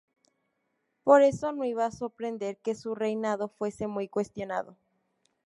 Por eso no iba a sorprender que su reinado fuese muy cuestionado.